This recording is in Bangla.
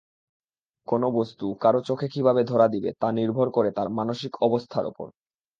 কোনো বস্তু কারো চোখে কীভাবে ধরা দিবে তা নির্ভর করে তার মানসিক অবস্থার উপর।